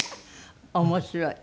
面白い。